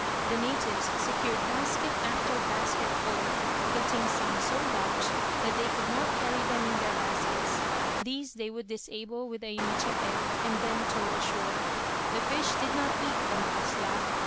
The natives secured basket after basket full, getting some so large that they could not carry them in their baskets. These they would disable with a "machete" and then tow ashore. The fish did not eat the "macasla."